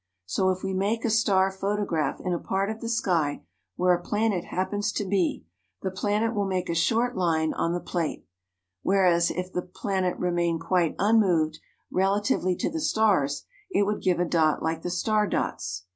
So if we make a star photograph in a part of the sky where a planet happens to be, the planet will make a short line on the plate; whereas, if the planet remained quite unmoved relatively to the stars it would give a dot like the star dots.